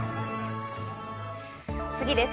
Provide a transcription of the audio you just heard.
次です。